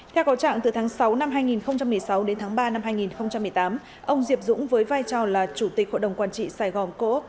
theo cầu trạng từ tháng sáu năm hai nghìn một mươi sáu đến tháng ba năm hai nghìn một mươi tám ông diệp dũng với vai trò là chủ tịch hội đồng quản trị sài gòn cố